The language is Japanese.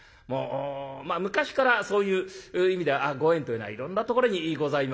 まあ昔からそういう意味ではご縁というのはいろんなところにございますけれども。